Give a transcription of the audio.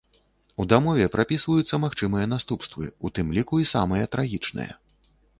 У дамове прапісваюцца магчымыя наступствы, у тым ліку і самыя трагічныя.